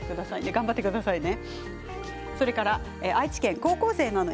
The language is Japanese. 頑張ってくださいね。